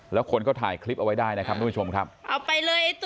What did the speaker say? แล้วคนก็ถ่ายคลิปเอาไว้ได้นะครับทุกผู้ชมครับเอาไปเลย